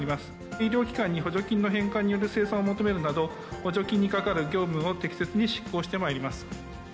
医療機関に補助金の返還による精算を求めるなど、補助金にかかる業務を適切に執行してまいります。